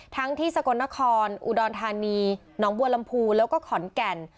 ทั้งที่สกลนครอุดรธานีหนองบัวลำพูแล้วก็ขอนแก่น